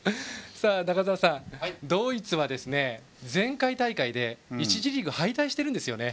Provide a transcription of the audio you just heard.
中澤さん、ドイツは前回大会で１次リーグ敗退しているんですね。